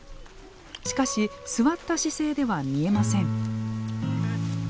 しかし座った姿勢では見えません。